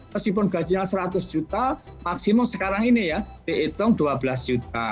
meskipun gajinya seratus juta maksimum sekarang ini ya dihitung dua belas juta